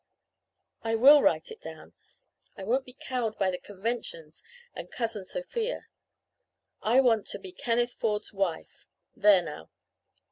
"I will write it down. I won't be cowed by the conventions and Cousin Sophia! I want to be Kenneth Ford's wife! There now!